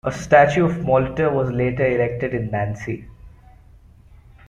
A statue of Molitor was later erected in Nancy.